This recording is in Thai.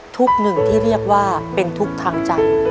ทุกข์หนึ่งที่เรียกว่าเป็นทุกข์ทางใจ